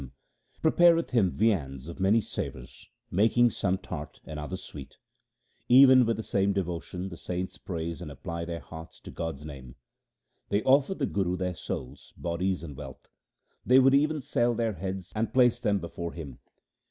HYMNS OF GURU AMAR DAS 249 Prepareth him viands of many savours, making some tart and others sweet ; Even with the same devotion the saints praise and apply their hearts to God's name : They offer the Guru their souls, bodies, and wealth ; they would even sell their heads and place them before him.